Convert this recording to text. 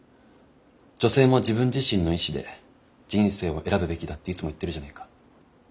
女性も自分自身の意志で人生を選ぶべきだっていつも言ってるじゃないか。